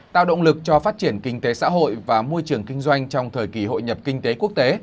tạo động lực cho phát triển kinh tế xã hội và môi trường kinh doanh trong thời kỳ hội nhập kinh tế quốc tế